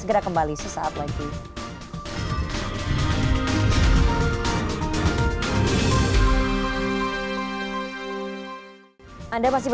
segera kembali sesaat lagi